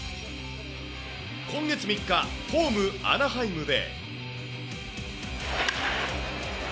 今月３日、ホーム、アナハイムで。